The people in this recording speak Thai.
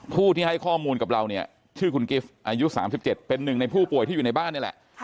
ผู้ที่ให้ข้อมูลกับเราเนี่ยชื่อคุณกิฟต์อายุ๓๗เป็นหนึ่งในผู้ป่วยที่อยู่ในบ้านนี่แหละ